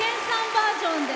バージョンで。